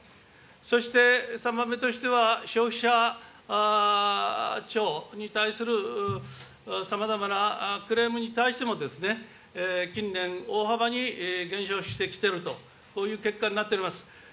そして、３番目としては、消費者庁に対するさまざまなクレームに対しても、近年、大幅に減少してきてると、こういう結果になっております。